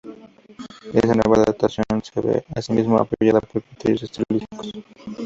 Esta nueva datación se ve, asimismo, apoyada por criterios estilísticos.